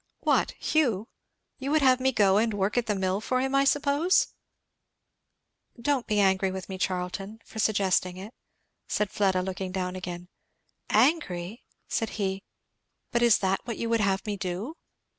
"What, Hugh? You would have me go and work at the mill for him, I suppose!" "Don't be angry with me, Charlton, for suggesting it," said Fleda looking down again. "Angry!" said he. "But is that what you would have me do?"